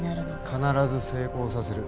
必ず成功させる。